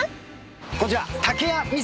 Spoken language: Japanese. こちら。